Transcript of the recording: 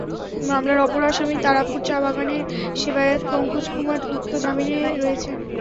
মামলার অপর আসামি তারাপুর চা-বাগানের সেবায়েত পঙ্কজ কুমার গুপ্ত জামিনে রয়েছেন।